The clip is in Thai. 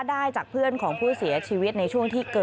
แต่อย่างไรก็ตามร้องขอชีวิตก็ไม่เป็นผลนะคะ